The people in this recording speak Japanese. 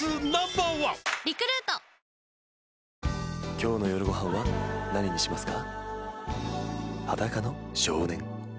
今日の夜ご飯は何にしますか？